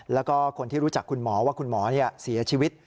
แล้วก็คนที่รู้จักคุณหมอว่าคุณหมอเสียชีวิต